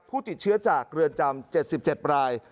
ผู้ติดเชื้อจากเรือนจำ๗๗ราย